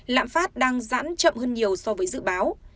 lãm phát đang dãn chậm hơn nhiều so với dự báo